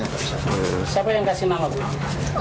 siapa yang kasih nama bu